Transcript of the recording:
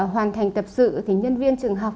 hoàn thành tập sự thì nhân viên trường học